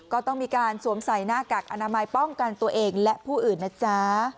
ก็ต้องมีการสวมใส่หน้ากากอนามัยป้องกันตัวเองและผู้อื่นนะจ๊ะ